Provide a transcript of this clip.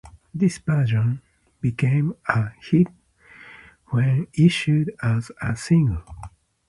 This version became a hit when issued as a single.